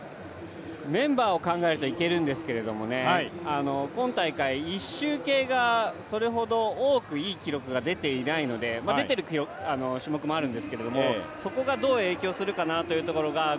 メンバーを考えるといけるんですけれども、今大会１周系がそれほどいいタイムが出ていないので出ている種目もあるんですけれども、そこがどう影響するかなというところが。